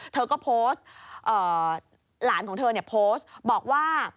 เธอก็โพสต์หลานของเธอโพสต์บอกว่า